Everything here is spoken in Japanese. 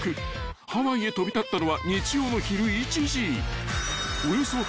［ハワイへ飛び立ったのは日曜の昼１時］